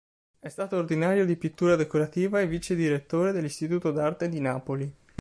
È stato ordinario di pittura decorativa e vicedirettore dell'Istituto d'arte di Napoli.